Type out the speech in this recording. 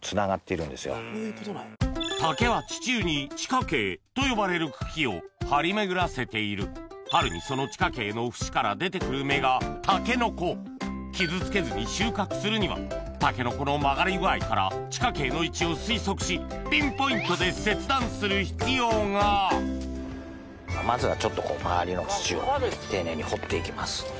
竹は地中に地下茎と呼ばれる茎を張り巡らせている傷つけずに収穫するにはタケノコの曲がり具合から地下茎の位置を推測しピンポイントで切断する必要がまずはちょっと周りの土を丁寧に掘っていきます。